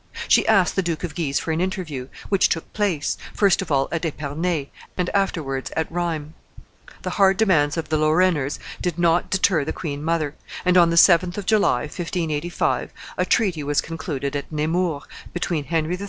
She asked the Duke of Guise for an interview, which took place, first of all at Epernay, and afterwards at Rheims. The hard demands of the Lorrainers did not deter the queen mother, and, on the 7th of July, 1585, a treaty was concluded at Nemours between Henry III.